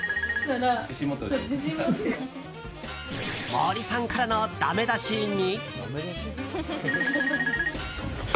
森さんからのダメ出しに。